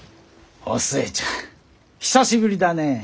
お寿恵ちゃん久しぶりだねえ！